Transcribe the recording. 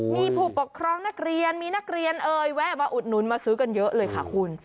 มีผู้ปกครองนักเรียนมีนักเรียนเอ่ยแวะมาอุดหนุนมาซื้อกันเยอะเลยค่ะคุณ